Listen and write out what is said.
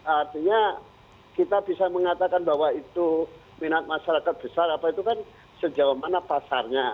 artinya kita bisa mengatakan bahwa itu minat masyarakat besar apa itu kan sejauh mana pasarnya